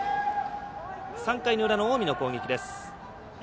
３回の裏の近江の攻撃。